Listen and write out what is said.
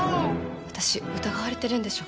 私疑われてるんでしょ？